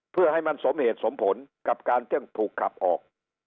เพื่อให้มันสมเหตุสมผลกับการจึงถูกขับออก